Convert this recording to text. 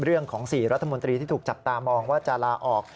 เรื่องของ๔รัฐมนตรีที่ถูกจับตามองว่าจะลาออก